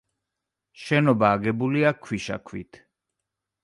შენობა აგებულია ქვიშაქვით.